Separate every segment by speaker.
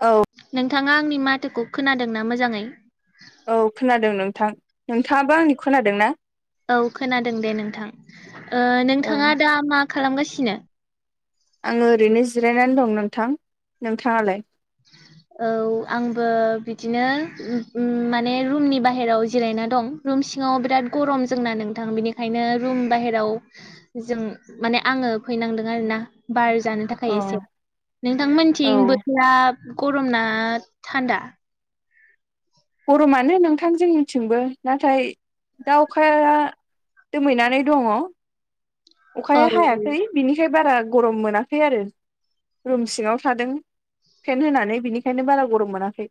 Speaker 1: औ
Speaker 2: नोंथाङा आंनि माथोखौ खोनादों ना मोजाङै?
Speaker 1: औ खोनादों नोंथां। नोंथाङाबो आंनि खोनादों ना?
Speaker 2: औ खोनादों दे नोंथां। ओ
Speaker 1: औ
Speaker 2: नोंथाङा दा मा खालामगासिनो?
Speaker 1: आङो ओरैनो जिरायनानै दं नोंथां। नोंथाङालाय?
Speaker 2: औ आंबो बिदिनो उम उम माने रुमनि बाहेरायाव जिरायना दं। रुम सिङाव बिराद गरम जोंना नोंथां बिनिखायनो रुम बाहेराव जों माने आङो फैनांदों आरोना बार जानो थाखाय
Speaker 1: औ
Speaker 2: एसे। नोंथांमोनथिं बोथोरा गरम ना थान्दा?
Speaker 1: गरमानो नोंथां जोंनिथिंबो नाथाय दा अखा दोमैनानै दङ।
Speaker 2: औ
Speaker 1: अखाया हायाखै बिनिखाय बारा गरम मोनाखै आरो। रुम सिङाव थादों फेन होनानै बिनिखायनो बारा गरम मोनाखै।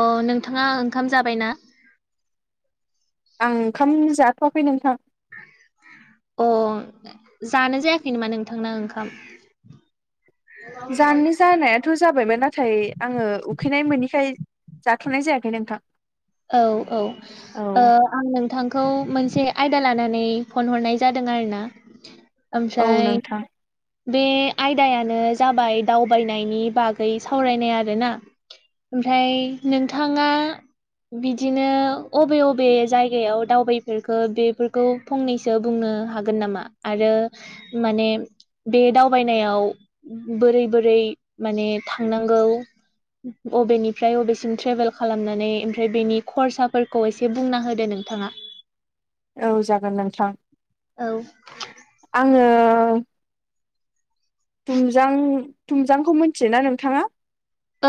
Speaker 2: अ नोंथाङा ओंखाम जाबायना?
Speaker 1: आं ओंखाम जाथ'वाखै नोंथां।
Speaker 2: अ जानो जायाखै नामा नोंथांना ओंखाम?
Speaker 1: जानो जानायाथ' जाबायमोन नाथाय आङो उखैनाय मोनिखाय जाथ'नाय जायाखै नोंथां।
Speaker 2: औ औ
Speaker 1: औ
Speaker 2: ओ आं नोंथांखौ मोनसे आयदा लानानै फन हरनाय जादों आरो ना।
Speaker 1: औ
Speaker 2: आमसाय
Speaker 1: नोंथां
Speaker 2: बे आयदायानो जाबाय दावबायनायनि बागै सावरायनाय आरो ना। ओमफ्राय नोंथाङा बिदिनो अबे बबे जायगायाव दावबायफेरखो बेफोरखौ फंनैसो बुंनो हागोन नामा आरो माने बे दावबायनायाव बोरै बोरै माने थांनांगौ? अबेनिफ्राय अबेसिम ट्रेभेल खालामनानै ओमफ्राय बेनि खरसाफोरखौ एसे बुंना होदो नोंथाङा।
Speaker 1: औ जागोन नोंथां।
Speaker 2: औ
Speaker 1: आङो थुमजां, थुमजांखौ मिथियोना नोंथाङा?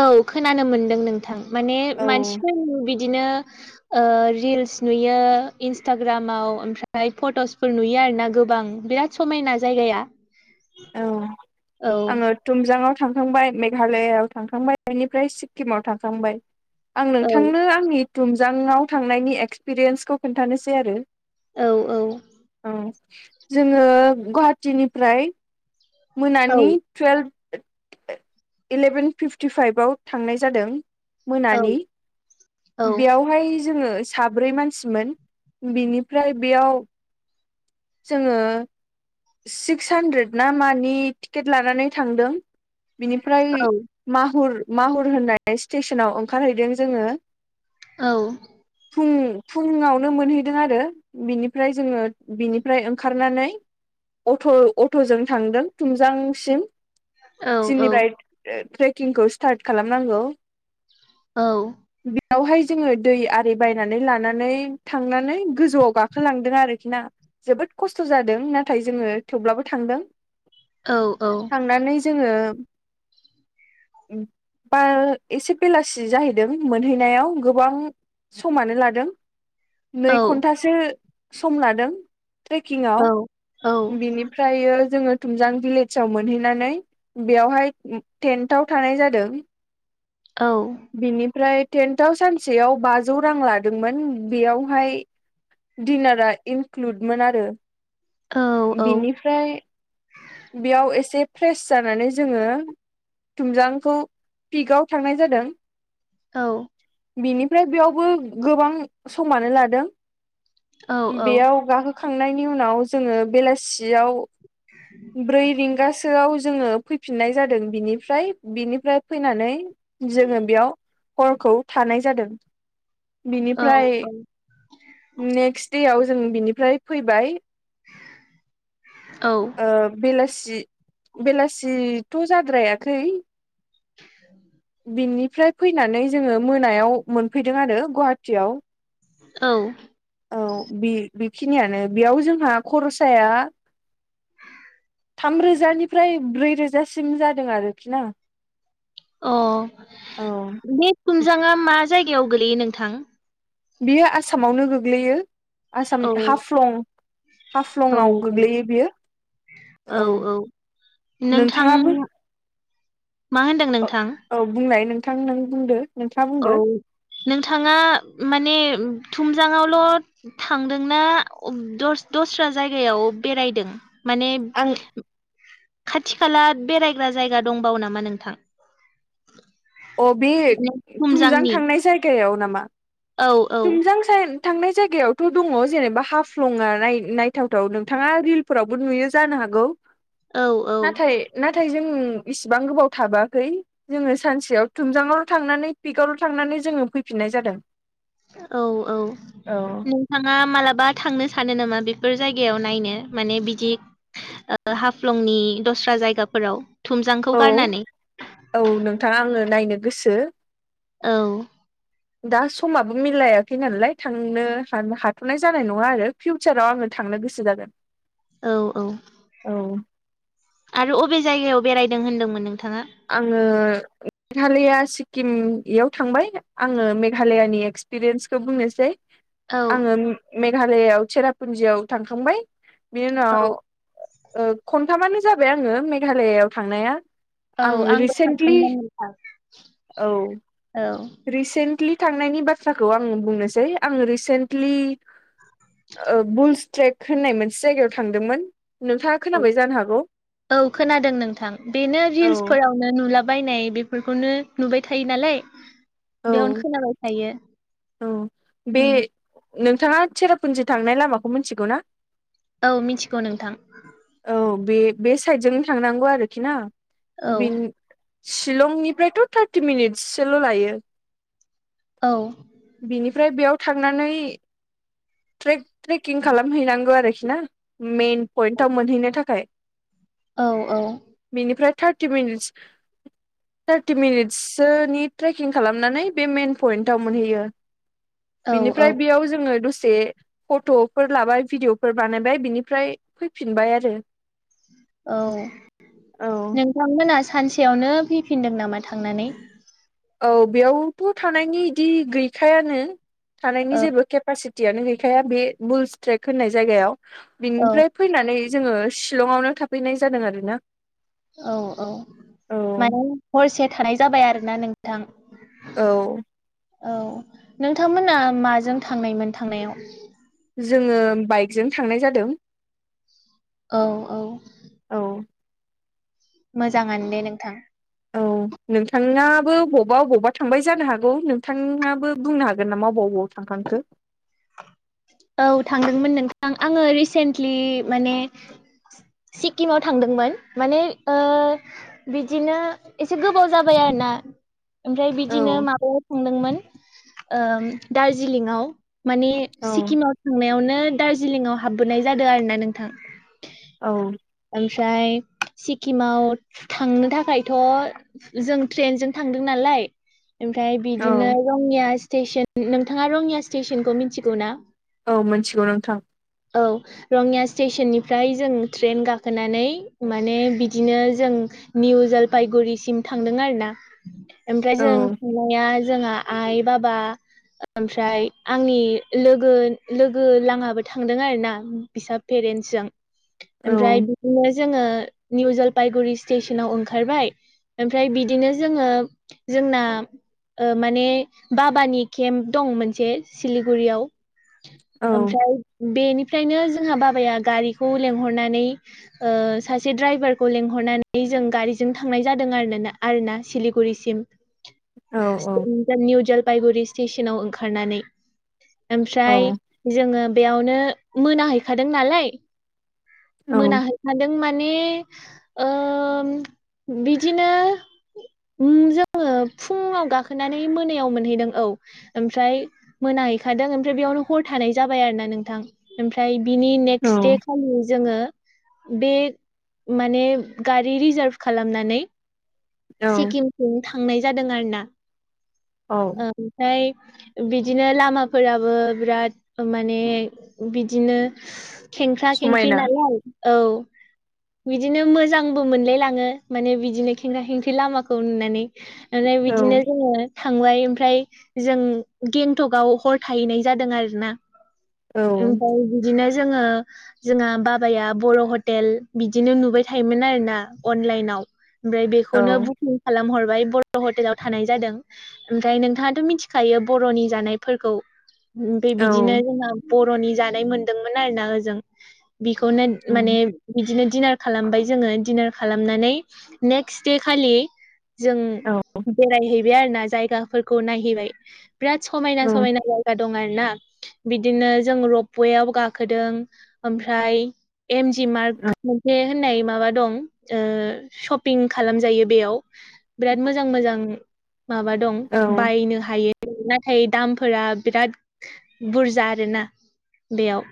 Speaker 2: औ खोनानो मोनदों नोंथां माने
Speaker 1: औ
Speaker 2: मानसिफोरनि बिदिनो ओ रिल्स नुयो इन्सटाग्रामाव ओमफ्राय फट'सफोर नुयो आर ना गोबां बिराद समायना जायगाया।
Speaker 1: औ
Speaker 2: औ
Speaker 1: आङो तुमजांआव थांखांबाय, मेघालआव थांखांबाय, बेनिफ्राय सिक्किमाव थांखांबाय। आं
Speaker 2: औ
Speaker 1: नोंथांनो आंनि तुमजांआव थांनायनि एक्सपिरियेन्सखौ खोन्थानोसै आरो।
Speaker 2: औ औ।
Speaker 1: औ जोङो गुवाहाटिनिफ्राय मोनानि टुवेल्भ इलेभेन फिफ्टिफाइभआव थांनाय जादों
Speaker 2: औ
Speaker 1: मोनानि।
Speaker 2: औ
Speaker 1: बेयावहाय जोङो साब्रै मानसिमोन, बेनिफ्राय बेयाव जोङो सिक्स हानद्रेद ना मानि टिकेट लानानै थांदों। बिनिफ्राय माहुर माहुर होननाय स्टेसनाव ओंखारहैदों जोङो।
Speaker 2: औ।
Speaker 1: फुं फुङावनो मोनहैदों आरो। बिनिफ्राय जोङो बिनिफ्राय ओंखारनानै अट' अट'जों थांदों थुमजांसिम
Speaker 2: औ
Speaker 1: जिनिफ्राय ओ ट्रेकिंखौ स्टार्ट खालामनांगौ।
Speaker 2: औ।
Speaker 1: बेयावहाय जोङो दै आरि बायनानै लानानै थांनानै गोजौआव गाखोलांदों आरोखि ना? जोबोद खस्थ' जादों नाथाय जोङो थेवब्लाबो थांदों।
Speaker 2: औ औ।
Speaker 1: थांनानै जोङो बा एसे बेलासि जाहैदों मोनहैनायाव गोबां समानो लादों नै
Speaker 2: औ
Speaker 1: घन्टासो सम लादों ट्रेकिंआव।
Speaker 2: औ
Speaker 1: बिनिफ्रायो जोङो तुमजां भिलेजाव मोनहैनानै बेवहाय टेन्टाव थानाय जादों।
Speaker 2: औ।
Speaker 1: बिनिफ्राय टेन्टआव सानसेयाव बाजौ रां लादोंमोन, बेयावहाय दिनारा इनक्लुदमोन आरो। बेनिफ्राय बेयाव एसे फ्रेस जानानै जोङो तुमजांखौ पिकआव थांनाय जादों।
Speaker 2: औ।
Speaker 1: बेनिफ्राय बेयावबो गोबां समानो लादों। बेयाव गाखो खांनायनि उनाव जोङो बेलासियाव
Speaker 2: [unintelligible]
Speaker 1: ब्रै रिंगासोआव जोङो फैफिननाय जादों बिनिफ्राय। बिनिफ्राय फैनानै जोङो बेयाव हरखौ थानाय जादों। बिनिफ्राय नेक्स्ट देयाव जों बिनिफ्राय फैबाय।
Speaker 2: औ।
Speaker 1: ओ बेलासि, बेलासिथ' जाद्रायाखै
Speaker 2: [unintelligible]
Speaker 1: बिनिफ्राय फैनानै जोङो मोनायाव मोनफैदों आरो गुवाहाटियाव।
Speaker 2: औ।
Speaker 1: औ बे बेखिनियानो बेयाव जोंहा खरसाया थामरोजानिफ्राय ब्रै रोजासिम जादों आरोखि ना।
Speaker 2: अ
Speaker 1: औ
Speaker 2: बे तुमजांङा मा जायगायाव गोलैयो नोंथां?
Speaker 1: बियो आसामावनो गोग्लैयो आसाम
Speaker 2: औ
Speaker 1: हाफ्लं
Speaker 2: औ
Speaker 1: हाफ्लंआव
Speaker 2: औ
Speaker 1: गोग्लैयो बियो।
Speaker 2: औ औ नोंथां
Speaker 1: नोंथाङाबो
Speaker 2: मा होनदों
Speaker 1: औ
Speaker 2: नोंथां?
Speaker 1: औ बुंनाय नोंथां नों बुंदो। नोंथाङा
Speaker 2: औ
Speaker 1: बुंदो
Speaker 2: नोंथाङा माने थुमजाङआवल' थांदोंना द दस्रा जायगायाव बेरायदों माने
Speaker 1: आं
Speaker 2: खाथि खाला बेरायग्रा जायगा दंबावो नामा नोंथां?
Speaker 1: अ बे
Speaker 2: माने
Speaker 1: तुमजां
Speaker 2: थुमजांनि
Speaker 1: थांनाय जायगायाव नामा?
Speaker 2: औ औ
Speaker 1: तुमजां साय थांनाय जायगायावथ' दङ जेनेबा हाफ्लङानाय नायथावथाव नोंथाङा रिल फोरावबो नुयो जानो हागौ
Speaker 2: औ औ
Speaker 1: नाथाय नाथाय जों इसिबां गोबाव थाबोआखै जोङो सानसेयाव तुमजङावल' थांनानै पिकावल' थांनानै जोङो फैफिननाय जादों।
Speaker 2: औ-औ
Speaker 1: औ
Speaker 2: नोंथाङा मालाबा थांनो सानो नामा बेफोर जायगायाव नायनो माने बिदि हाफ्लंनि दस्रा जायगाफोराव थुमजांखौ
Speaker 1: औ
Speaker 2: गारनानै
Speaker 1: औ नोंथाङा आङो नायनो गोसो
Speaker 2: औ
Speaker 1: दा समाबो मिलायाखै नालाय थांनो हाथ'नाय जानाय नङा आरो फिउचाराव आङो थांनो गोसो जागोन
Speaker 2: औ औ
Speaker 1: औ
Speaker 2: आरो अबे जायगायाव बेरायदों होनदोंमोन नोंथाङा
Speaker 1: आङो मेघालया सिक्किमयाव थांबाय आङो मेघालयानि एक्सपिरियेन्सखौ बुंनोसै
Speaker 2: औ
Speaker 1: आङो मेघालआव चेरापुन्जियाव थांखांबाय बिनि उनाव
Speaker 2: औ
Speaker 1: खनथामानो जाबाय आङो मेघालआव थांनाया
Speaker 2: औ
Speaker 1: आं
Speaker 2: आंबो
Speaker 1: रिसेन्टलि
Speaker 2: सानदोंमोन नोंथां
Speaker 1: औ
Speaker 2: औ
Speaker 1: रिसेन्टलि थांनायनि बाथ्राखौ आंो बुंनोसै आङो रिसेन्टलि बुल्स ट्रेक होननाय मोनसे जायगायाव थांदोंमोन नोंथाङा
Speaker 2: औ
Speaker 1: खोनाबाय जानो हागौ
Speaker 2: औ खोनादों नोंथां बेनो
Speaker 1: औ
Speaker 2: रिल्सफोरावनो नुला बायनाय बेफोरखौनो नुबाय थायो नालाय
Speaker 1: औ
Speaker 2: बेयावनो खोनाबाय थायो
Speaker 1: औ बे
Speaker 2: उम
Speaker 1: नोंथाङा चेरापुन्जि थांनाय लामाखौ मिथिगौ ना
Speaker 2: औ मिथिगौ नोंथां
Speaker 1: औ बे बे साइदजोंनो थांनांगौ आरोखि ना
Speaker 2: औ
Speaker 1: बे शिलंनिफ्रायथ' थार्टि मिनिट्ससोल' लायो।
Speaker 2: औ।
Speaker 1: बिनिफ्राय बेयाव थांनानै ट्रेक ट्रेकिं खालामहैनांगौ आरोखि ना मेन पइन्टाव मोनहैनो थाखाय
Speaker 2: औ औ।
Speaker 1: बिनिफ्राय थार्टि मिनिटस थार्टि मिनिटसोनि ट्रेकिं खालामनानै बे मेन पयन्टाव मोनहैयो
Speaker 2: औ
Speaker 1: बिनिफ्राय
Speaker 2: औ
Speaker 1: बेयाव जोङो दसे फट'फोर लाबाय भिडिअफोर बानायबाय बिनिफ्राय फैफिनबाय आरो
Speaker 2: औ
Speaker 1: औ
Speaker 2: नोंथांमोना सानसेयावनो फैफिनदों नामा थांनानै।
Speaker 1: औ बेयावथ' थानायनि इदि गैखायानो थानायनि
Speaker 2: औ
Speaker 1: जेबो खेब केपासिटियानो गैखाया बे बुल स्ट्रेक होननाय जायगायाव
Speaker 2: औ
Speaker 1: बिनिफ्राय फैनानै जोङो शिलंआवनो थाफैनाय जादों आरो ना।
Speaker 2: औ औ माने हरसे थानाय जाबाय आरोोना नोंथां।
Speaker 1: औ।
Speaker 2: औ नोंथांमोना माजों थांनायमोन थांनायाव?
Speaker 1: जोङो बाइकजों थांनाय जादों
Speaker 2: औ औ
Speaker 1: औ
Speaker 2: मोजाङानो दे नोंथां
Speaker 1: औ नोंथाङाबो बबावबा- बबावबा थांबाय जानो हागौ नोंथाङाबो बुंनो हागोन नामा बबावबाव थांखांखो
Speaker 2: औ थांदोंमोन नोंथां आङो रिसेन्टलि माने सिक्किमाव थांदोंमोन माने बिदिनो एसे गोबाव जाबाय आरो ना ओमफ्राय
Speaker 1: औ
Speaker 2: बिदिनो माबायाव थांदोंमोन दार्जिलिंआव माने
Speaker 1: औ
Speaker 2: सिक्किमाव थांनायावनो दार्जिलिंआव हाबबोनाय जादों आर ना नोंथां।
Speaker 1: औ
Speaker 2: ओमफ्राय सिक्किमाव थांनो थाखायथ' जों ट्रेनजों थांदों नालाय ओमफ्राय बिदिनो रंङिया स्टेसन नोंथाङा रङिया स्टेसनखौ मिथिगौ ना?
Speaker 1: औ मिथिगौ नोंथां।
Speaker 2: औ रङिया स्टेसननिफ्राय जों ट्रेन गाखो होनानै माने बिदिनो जों निउ जलफायगुरिसिम थांदों आर ना ओमफ्राय
Speaker 1: औ
Speaker 2: जों थांनाया जोंहा आइ, बाबा ओमफ्राय आंनि लोगो -लोगो लाहाबो थांदों आरी ना फिसा पेरेन्टस जों
Speaker 1: औ
Speaker 2: ओमफ्राय बिदिनो जोङो निउ जलफाइगुरि स्टेसनाव ओंखारबाय ओमफ्राय बिदिनो जोङो जोंना माने बाबानि केम्प दं मोनसे सिलिगुरियाव
Speaker 1: औ
Speaker 2: ओमफ्राय बेनिफ्रायनो जोंहा बाबाया गारिखौ लेंंहरनानै सासे दड्राइभारखौ लिंहरनानै जों गारिजों थांनाय जादों आरो आर ना सिलिगुरिसिम।
Speaker 1: औ
Speaker 2: निउ जलफायगुरि स्टेसनाव ओंखारनानै ओमफ्राय
Speaker 1: औ
Speaker 2: जोङो बेयावनो मोनाहैखादों नालाय मोनाहैखादों माने ओ बिदिनो जोङो फुङाव गाखोनानै मोनायाव मोनहैदों औ। ओमफ्राय मोनाहैखादों ओमफ्राय बेयावनो हर थानाय जाबाय आरो ना नोंथां। ओमफ्राय बिनि नेक्स्ट दे खालि जोङो बे माने गारि रिजार्भ खालामनानै
Speaker 1: औ
Speaker 2: सिक्किम ज थांनाय जादों आरो ना
Speaker 1: औ
Speaker 2: ओमफ्राय बिदिनो लामाफोराबो बिराद माने बिदिनो खेंक्रा-खिंकरि
Speaker 1: समायना
Speaker 2: नालाय औ बिदिनो मोजांबो मोनलायलाङो माने बिदिनो खेंख खेंख्रि लामाखौ नुनानै ओमफ्राय
Speaker 1: औ
Speaker 2: बिदिनो जोङो थांबाय ओमफ्राय जों गेंटकआव हर थाहैनाय जादों आरोना।
Speaker 1: औ
Speaker 2: ओमफ्राय बिदिनो जोङो जोंहा बाबाया बर' हटेल बिदिनो नुबाय थायोमोन आरोना अनलाइनाव ओमफ्राय
Speaker 1: औ
Speaker 2: बेखौनो बुकिं खालामहरबाय बर' हटेलाव थानाय जादों। ओमफ्राय नोंथाङाथ' मिथिखायो बर'नि जानायफोरखौ ओमफ्राय
Speaker 1: औ
Speaker 2: बिदिनो जोंहा बर'नि जानाय मोनदोंमोन आर ना ओजों बिखौनो माने बिदिनो दिडिनार खालामबाय जोङो दिडनार खालामनानै नेक्स्ट दे खालि जों
Speaker 1: औ
Speaker 2: बेरायहैबाय आरो ना जायगाफोरखौ नायहैबाय बिराद समायना
Speaker 1: औ
Speaker 2: -समायना जाय दं आर ना बिदिनो जों रपवेयाव गाखोदों ओमफ्राय एम जि मार्क मोनसे होननाय माबा दं ओ सपिं खालामजायो बेयाव। बिराद मोजां मोजां माबा दं
Speaker 1: औ
Speaker 2: बायनो हायो। नाथाय दामफोरा बिराद बुरजा आरोना बेयाव।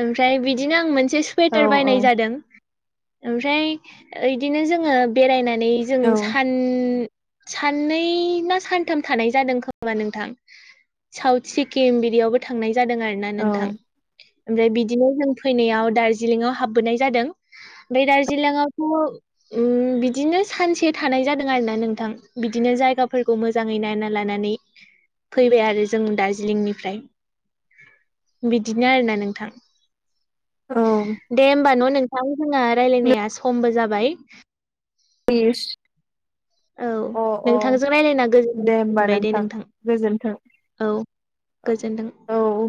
Speaker 2: ओमफ्राय बिदिनो आं मोनसे सुवेटार
Speaker 1: औ
Speaker 2: बायनाय जादों। ओमफ्राय इदिनो जोङो बेरायनानै जों सान उम साननै ना सानथाम थानाय जादों खोमा नोंथां। साउथ सिक्किम बिदियावबो थांनाय जादों आरो ना
Speaker 1: औ
Speaker 2: नोंथां
Speaker 1: औ
Speaker 2: ओमफ्राय बिदिनो जों फैनायाव दार्जिलिंआव हाबबोनाय जादों बे दार्जिलिंआवथ' उम बिदिनो सानसे थानाय जादों आरो ना नोंथां बिदिनो जायगाफोरखौ मोज जाङै नायना लानानै फैबाय आरो जों दार्जिलिंनिफ्राय। बिदिनो आरोना नोंथां। दे होमबा न' नोंथां जोंहा रायलायनाया समबो जाबाय।
Speaker 1: [unintelligible]
Speaker 2: औ
Speaker 1: अ अ
Speaker 2: नोंथांजों रायलायना गोजोननाय
Speaker 1: दे होमबा
Speaker 2: मोनबाय दे नोंथां।
Speaker 1: गोजोन्थों
Speaker 2: औ गोजोनदों।
Speaker 1: औ